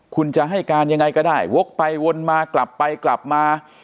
คุณจะให้การยังไงก็ได้วกไปวนมากลับไปกลับมา